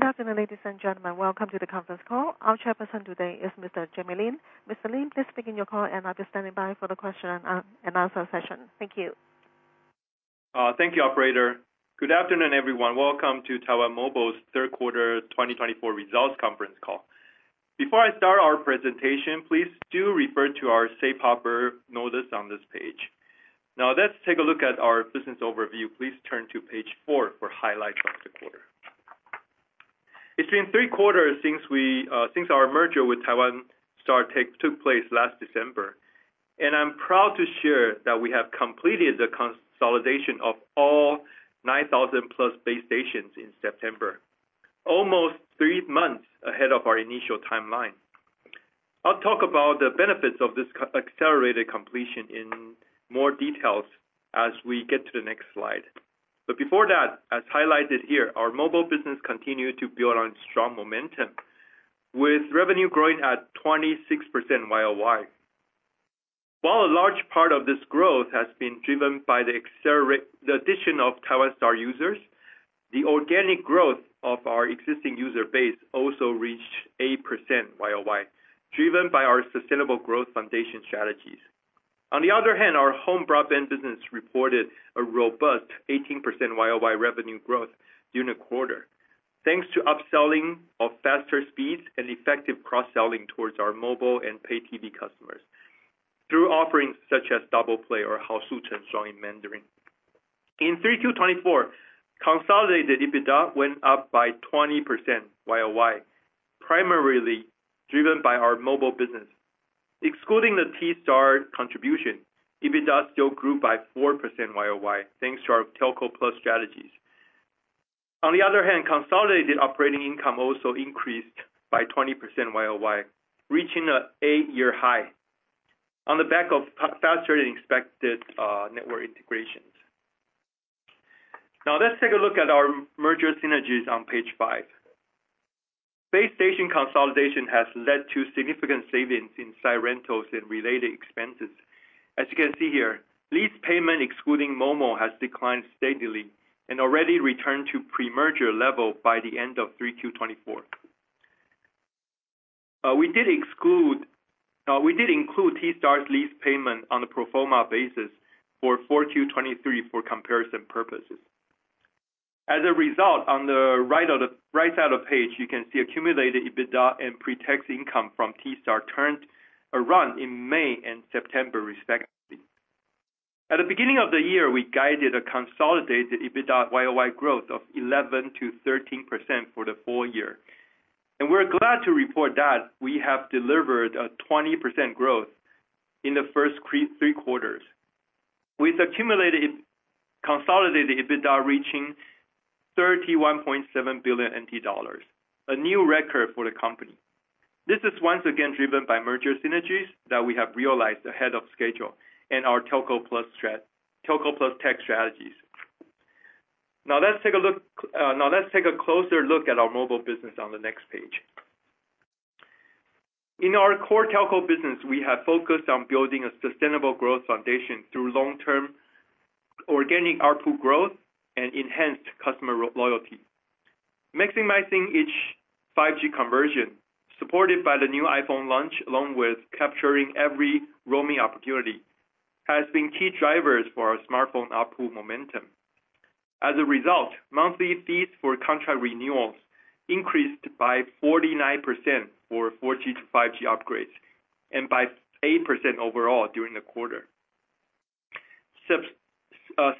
Good afternoon, ladies and gentlemen. Welcome to the conference call. Our Chairperson today is Mr. Jamie Lin. Mr. Lin, please begin your call and I'll be standing by for the question and answer session. Thank you. Thank you, Operator. Good afternoon, everyone. Welcome to Taiwan Mobile's third quarter 2024 results conference call. Before I start our presentation, please do refer to our Safe Harbor notice on this page. Now, let's take a look at our business overview. Please turn to page four for highlights of the quarter. It's been three quarters since our merger with Taiwan Star Telecom took place last December, and I'm proud to share that we have completed the consolidation of all 9,000-plus base stations in September, almost three months ahead of our initial timeline. I'll talk about the benefits of this accelerated completion in more detail as we get to the next slide. But before that, as highlighted here, our mobile business continues to build on strong momentum, with revenue growing at 26% YOY. While a large part of this growth has been driven by the addition of Taiwan Star users, the organic growth of our existing user base also reached 8% YOY, driven by our Sustainable Growth Foundation strategies. On the other hand, our home broadband business reported a robust 18% YOY revenue growth during the quarter, thanks to upselling of faster speeds and effective cross-selling towards our mobile and pay-TV customers through offerings such as Double Play or HaoSu Cheng Shuang in Mandarin. In 3Q24, consolidated EBITDA went up by 20% YOY, primarily driven by our mobile business. Excluding the Taiwan Star contribution, EBITDA still grew by 4% YOY, thanks to our Telco Plus strategies. On the other hand, consolidated operating income also increased by 20% YOY, reaching an eight-year high on the back of faster than expected network integrations. Now, let's take a look at our merger synergies on page five. Base station consolidation has led to significant savings in side rentals and related expenses. As you can see here, lease payment excluding momo has declined steadily and already returned to pre-merger level by the end of 3Q24. We did include Taiwan Star's lease payment on a pro forma basis for 4Q23 for comparison purposes. As a result, on the right side of the page, you can see accumulated EBITDA and pre-tax income from Taiwan Star turned around in May and September, respectively. At the beginning of the year, we guided a consolidated EBITDA YOY growth of 11% to 13% for the full year. And we're glad to report that we have delivered a 20% growth in the first three quarters, with accumulated consolidated EBITDA reaching 31.7 billion NT dollars, a new record for the company. This is once again driven by merger synergies that we have realized ahead of schedule and our Telco+ Tech strategies. Now, let's take a closer look at our mobile business on the next page. In our core Telco business, we have focused on building a sustainable growth foundation through long-term organic ARPU growth and enhanced customer loyalty. Maximizing each 5G conversion, supported by the new iPhone launch along with capturing every roaming opportunity, has been key drivers for our smartphone ARPU momentum. As a result, monthly fees for contract renewals increased by 49% for 4G to 5G upgrades and by 8% overall during the quarter.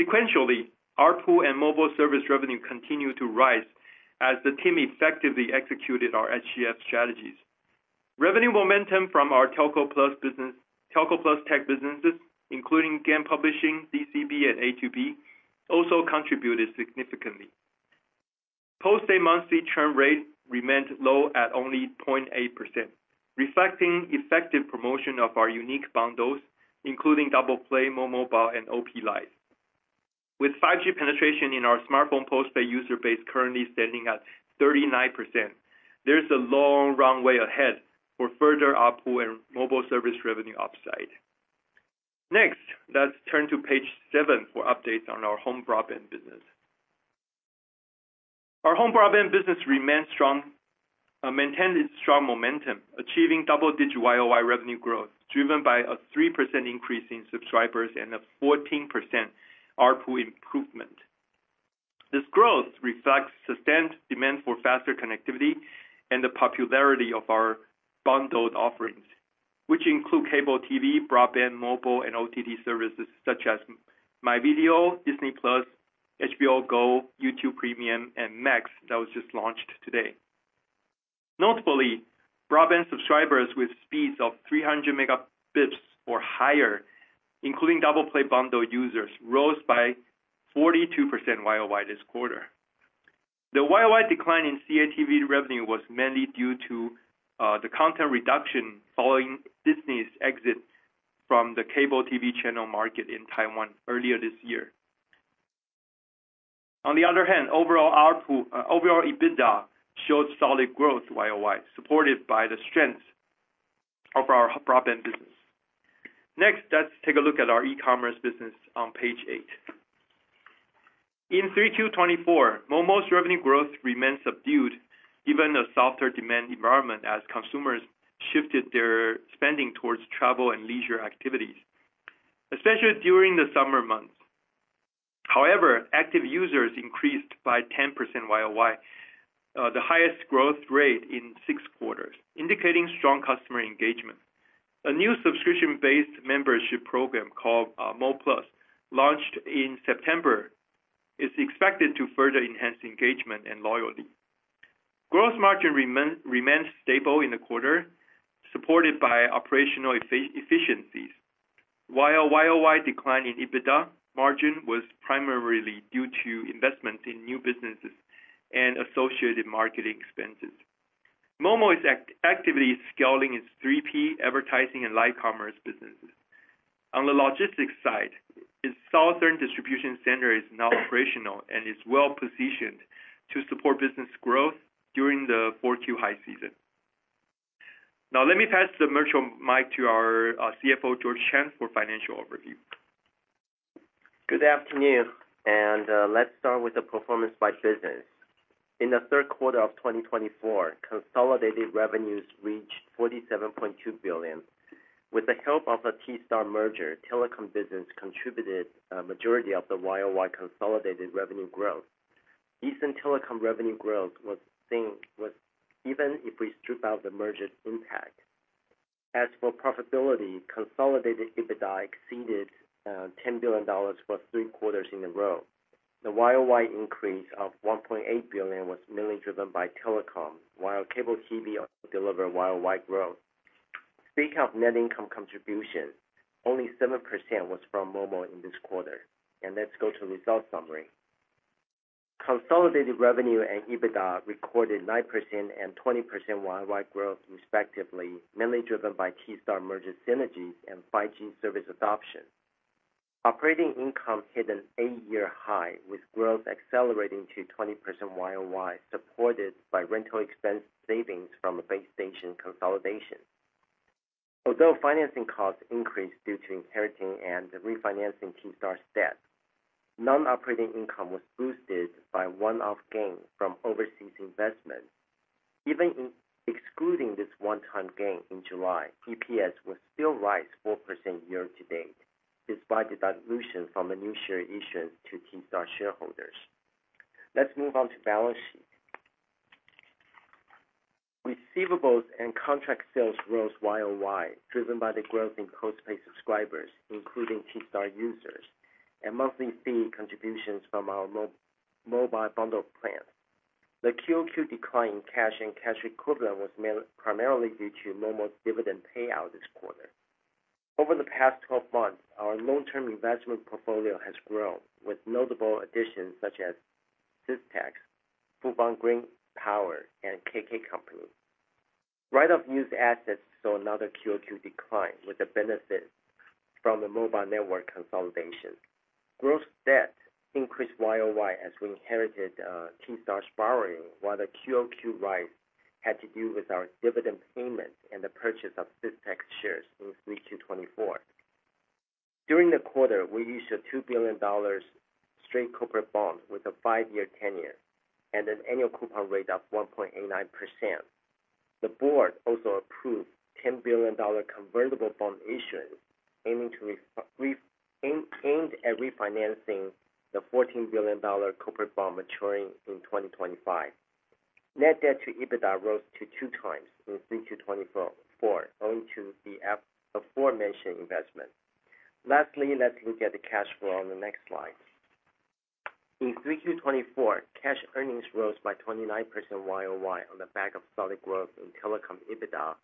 Sequentially, ARPU and mobile service revenue continued to rise as the team effectively executed our SGF strategies. Revenue momentum from our Telco+ Tech businesses, including game publishing, DCB, and A2B, also contributed significantly. Post-pay monthly churn rate remained low at only 0.8%, reflecting effective promotion of our unique bundles, including Double Play, momoBOT, and OP Life. With 5G penetration in our smartphone post-pay user base currently standing at 39%, there's a long, long way ahead for further ARPU and mobile service revenue upside. Next, let's turn to page seven for updates on our home broadband business. Our home broadband business remained strong, maintained its strong momentum, achieving double-digit YOY revenue growth driven by a 3% increase in subscribers and a 14% ARPU improvement. This growth reflects sustained demand for faster connectivity and the popularity of our bundled offerings, which include cable TV, broadband mobile, and OTT services such as MyVideo, Disney+, HBO Go, YouTube Premium, and Max that was just launched today. Notably, broadband subscribers with speeds of 300 megabits or higher, including Double Play bundle users, rose by 42% YOY this quarter. The YOY decline in CATV revenue was mainly due to the content reduction following Disney's exit from the cable TV channel market in Taiwan earlier this year. On the other hand, overall EBITDA showed solid growth YOY, supported by the strength of our broadband business. Next, let's take a look at our e-commerce business on page eight. In 3Q24, momo's revenue growth remained subdued given a softer demand environment as consumers shifted their spending towards travel and leisure activities, especially during the summer months. However, active users increased by 10% YOY, the highest growth rate in six quarters, indicating strong customer engagement. A new subscription-based membership program called + launched in September is expected to further enhance engagement and loyalty. Gross margin remained stable in the quarter, supported by operational efficiencies. While YOY decline in EBITDA margin was primarily due to investment in new businesses and associated marketing expenses, momo is actively scaling its 3P advertising and live commerce businesses. On the logistics side, its southern distribution center is now operational and is well-positioned to support business growth during the 4Q high season. Now, let me pass the virtual mic to our CFO, George Chang, for financial overview. Good afternoon. And let's start with the performance by business. In the third quarter of 2024, consolidated revenues reached 47.2 billion. With the help of the Taiwan Star merger, telecom business contributed a majority of the YOY consolidated revenue growth. Decent telecom revenue growth was seen even if we strip out the merger impact. As for profitability, consolidated EBITDA exceeded 10 billion dollars for three quarters in a row. The YOY increase of 1.8 billion was mainly driven by telecom, while cable TV also delivered YOY growth. Speaking of net income contribution, only 7% was from momo in this quarter. And let's go to the results summary. Consolidated revenue and EBITDA recorded 9% and 20% YOY growth, respectively, mainly driven by Taiwan Star merger synergies and 5G service adoption. Operating income hit an eight-year high, with growth accelerating to 20% YOY, supported by rental expense savings from a base station consolidation. Although financing costs increased due to inheriting and refinancing Taiwan Star's debt, non-operating income was boosted by one-off gains from overseas investments. Even excluding this one-time gain in July, EPS was still rose 4% year-to-date, despite the dilution from the new share issuance to Taiwan Star shareholders. Let's move on to balance sheet. Receivables and contract sales rose YOY, driven by the growth in post-pay subscribers, including Taiwan Star users, and monthly fee contributions from our mobile bundle plans. The Q2 decline in cash and cash equivalent was primarily due to momo's dividend payout this quarter. Over the past 12 months, our long-term investment portfolio has grown with notable additions such as Systex, Fubon Green Power, and KKCompany. Right-of-use assets saw another Q2 decline, with the benefit from the mobile network consolidation. Gross debt increased YOY as we inherited Taiwan Star Telecom's borrowing, while the Q2 rise had to do with our dividend payment and the purchase of Systex shares in 3Q24. During the quarter, we issued a 2 billion dollars straight corporate bond with a five-year tenure and an annual coupon rate of 1.89%. The board also approved 10 billion dollar convertible bond issuance, aimed at refinancing the 14 billion dollar corporate bond maturing in 2025. Net debt to EBITDA rose to two times in 3Q24, owing to the aforementioned investment. Lastly, let's look at the cash flow on the next slide. In 3Q24, cash earnings rose by 29% YOY on the back of solid growth in telecom EBITDA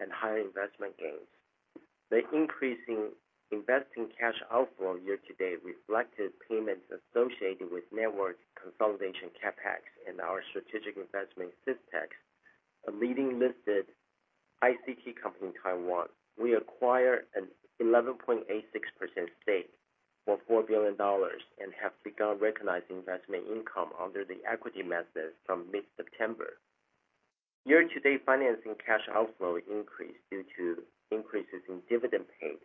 and higher investment gains. The increase in investing cash outflow year-to-date reflected payments associated with network consolidation CapEx and our strategic investment Systex, a leading listed ICT company in Taiwan. We acquired an 11.86% stake for 4 billion dollars and have begun recognizing investment income under the equity method from mid-September. Year-to-date financing cash outflow increased due to increases in dividend paid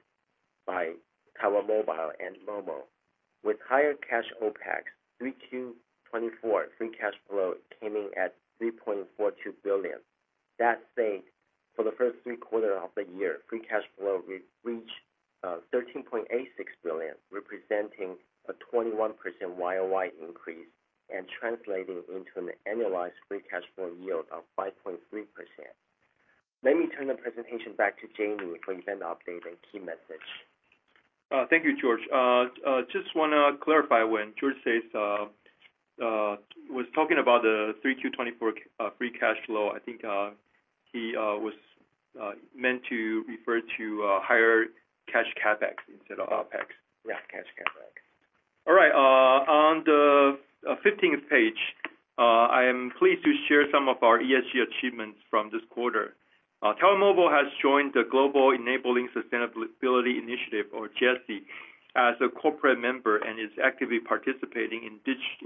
by Taiwan Mobile and momo. With higher cash OPEX, 3Q24 free cash flow came in at 3.42 billion. That said, for the first three quarters of the year, free cash flow reached 13.86 billion, representing a 21% YOY increase and translating into an annualized free cash flow yield of 5.3%. Let me turn the presentation back to Jamie for event update and key message. Thank you, George. Just want to clarify when George was talking about the 3Q24 free cash flow, I think he was meant to refer to higher cash CapEx instead of OPEX. Yeah, cash CapEx. All right. On the 15th page, I am pleased to share some of our ESG achievements from this quarter. Taiwan Mobile has joined the Global Enabling Sustainability Initiative, or GeSI, as a corporate member and is actively participating in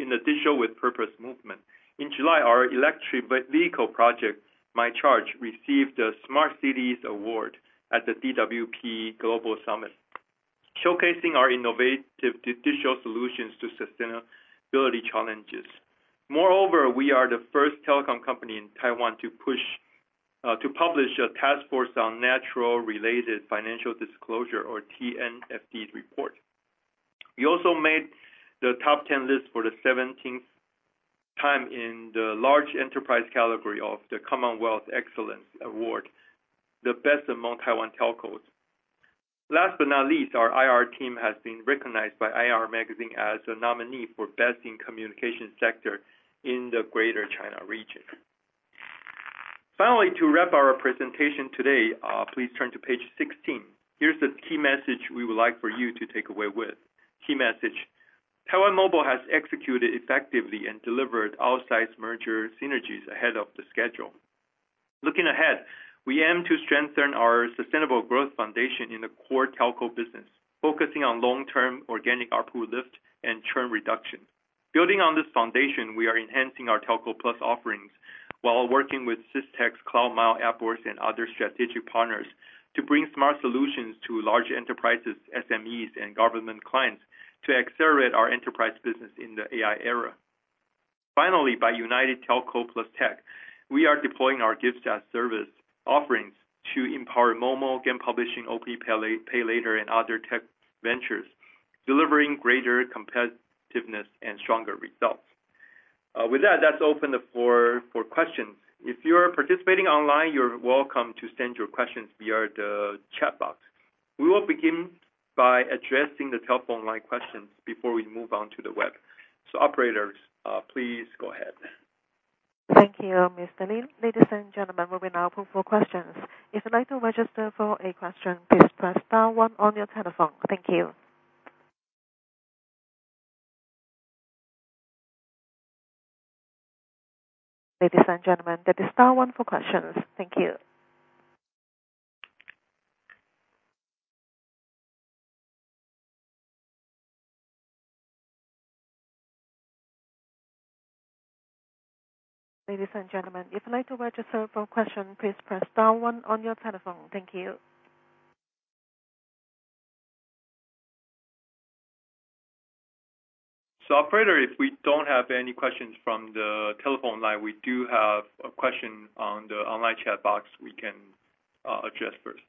the digital with purpose movement. In July, our electric vehicle project, MyCharge, received the Smart Cities Award at the DWP Global Summit, showcasing our innovative digital solutions to sustainability challenges. Moreover, we are the first telecom company in Taiwan to publish a Taskforce on Nature-related Financial Disclosures, or TNFD report. We also made the top 10 list for the 17th time in the large enterprise category of the CommonWealth Excellence Award, the best among Taiwan telcos. Last but not least, our IR team has been recognized by IR Magazine as a nominee for best in communication sector in the Greater China region. Finally, to wrap our presentation today, please turn to page 16. Here's the key message we would like for you to take away with. Key message: Taiwan Mobile has executed effectively and delivered outsized merger synergies ahead of the schedule. Looking ahead, we aim to strengthen our sustainable growth foundation in the core telco business, focusing on long-term organic ARPU lift and churn reduction. Building on this foundation, we are enhancing our Telco+ offerings while working with Systex, CloudMile, AppWorks, and other strategic partners to bring smart solutions to large enterprises, SMEs, and government clients to accelerate our enterprise business in the AI era. Finally, by uniting Telco+ If you are participating online, you're welcome to send your questions via the chat box. We will begin by addressing the telephone line questions before we move on to the web. So operators, please go ahead. Thank you, Mr. Lin. Ladies and gentlemen, we will now move for questions. If you'd like to register for a question, please press star one on your telephone. Thank you. Ladies and gentlemen, that is star one for questions. Thank you. Ladies and gentlemen, if you'd like to register for questions, please press star one on your telephone. Thank you. So operator, if we don't have any questions from the telephone line, we do have a question on the online chat box we can address first.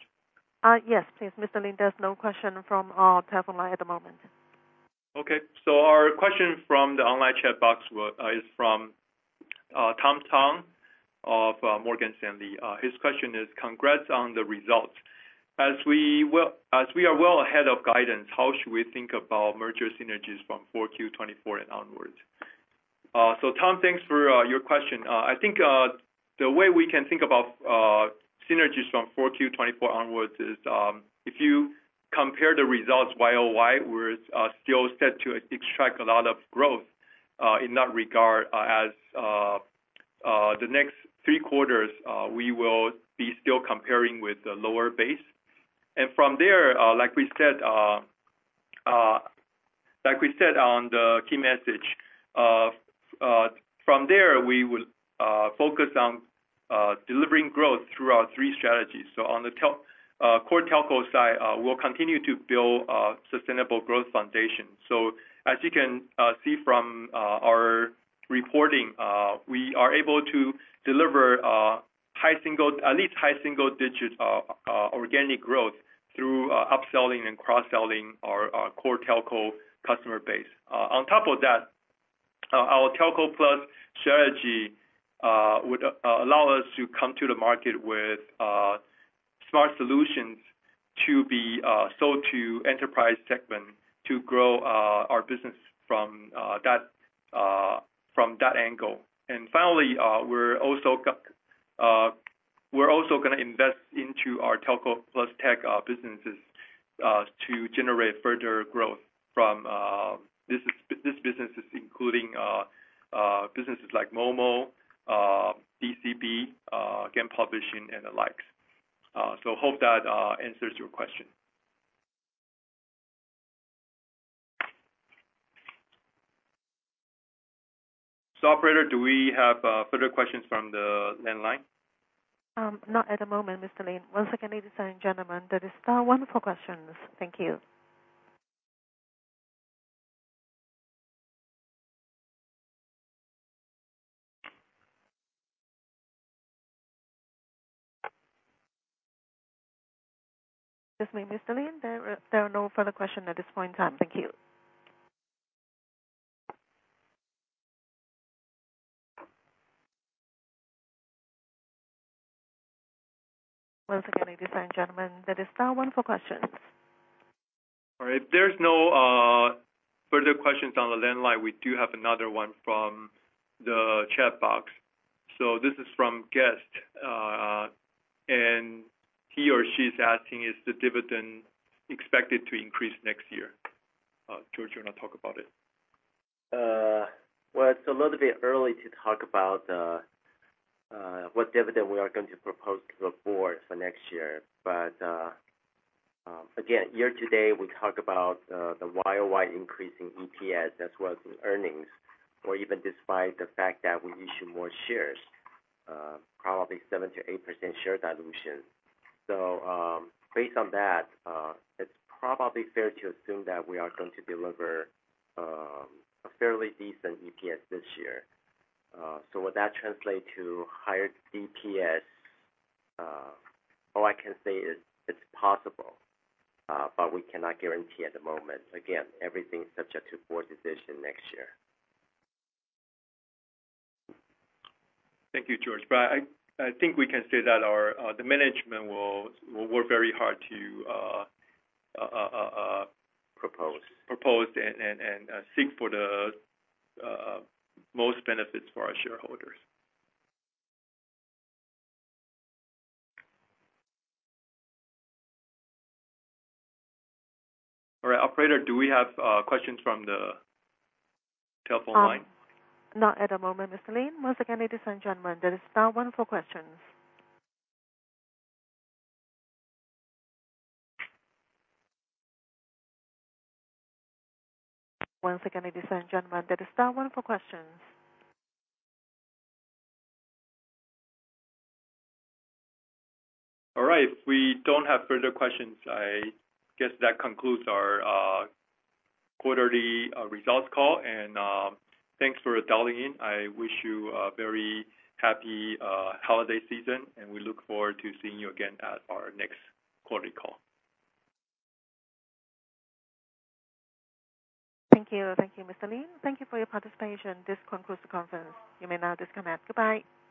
Yes, please. Mr. Lin, there's no question from our telephone line at the moment. Okay. So our question from the online chat box is from Tom Tang of Morgan Stanley. His question is, "Congrats on the results. As we are well ahead of guidance, how should we think about merger synergies from 4Q24 and onwards?" So Tom, thanks for your question. I think the way we can think about synergies from 4Q24 onwards is if you compare the results, YOY was still set to extract a lot of growth in that regard as the next three quarters we will be still comparing with the lower base. And from there, like we said on the key message, from there we will focus on delivering growth through our three strategies. So on the core telco side, we'll continue to build sustainable growth foundation. So, as you can see from our reporting, we are able to deliver at least high single-digit organic growth through upselling and cross-selling our core telco customer base. On top of that, our Telco+ strategy would allow us to come to the market with smart solutions to be sold to enterprise segment to grow our business from that angle. And finally, we're also going to invest into our Telco+ Tech businesses to generate further growth from this businesses, including businesses like momo, DCB, game publishing, and the likes. So, hope that answers your question. So, operator, do we have further questions from the landline? Not at the moment, Mr. Lin. Once again, ladies and gentlemen, that is star one for questions. Thank you. Just me, Mr. Lin. There are no further questions at this point in time. Thank you. Once again, ladies and gentlemen, that is star one for questions. All right. If there's no further questions on the landline, we do have another one from the chat box. So this is from Guest. And he or she is asking, "Is the dividend expected to increase next year?" George, you want to talk about it? It's a little bit early to talk about what dividend we are going to propose to the board for next year. But again, year-to-date, we talk about the YOY increase in EPS as well as in earnings, or even despite the fact that we issue more shares, probably 7%-8% share dilution. So based on that, it's probably fair to assume that we are going to deliver a fairly decent EPS this year. So would that translate to higher DPS? All I can say is it's possible, but we cannot guarantee at the moment. Again, everything is subject to board decision next year. Thank you, George. But I think we can say that the management will work very hard to. Propose. Propose and seek for the most benefits for our shareholders. All right. Operator, do we have questions from the telephone line? Not at the moment, Mr. Lin. Once again, ladies and gentlemen, that is star one for questions. Once again, ladies and gentlemen, that is star one for questions. All right. If we don't have further questions, I guess that concludes our quarterly results call. And thanks for dialing in. I wish you a very happy holiday season, and we look forward to seeing you again at our next quarterly call. Thank you. Thank you, Mr. Lin. Thank you for your participation. This concludes the conference. You may now disconnect. Goodbye. Bye.